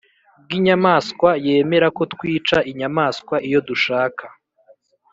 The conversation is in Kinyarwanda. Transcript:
Bw inyamaswa yemera ko twica inyamaswa iyo dushaka